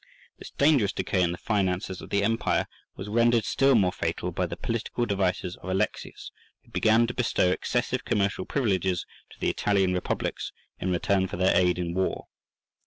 This dangerous decay in the finances of the empire was rendered still more fatal by the political devices of Alexius, who began to bestow excessive commercial privileges to the Italian republics, in return for their aid in war.